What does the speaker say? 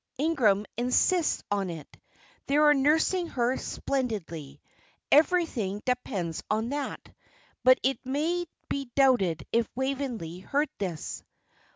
Ingram insists on it. They are nursing her splendidly. Everything depends on that." But it may be doubted if Waveney heard this.